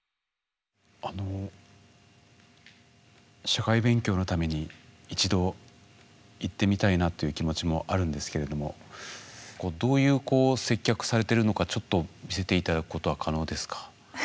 社会勉強のために一度行ってみたいなという気持ちもあるんですけれどもどういう接客されてるのかちょっと見せて頂くことは可能ですか？